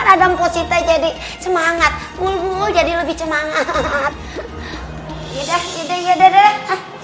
adem posita jadi semangat mul jadi lebih semangat udah udah udah